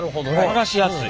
はがしやすい。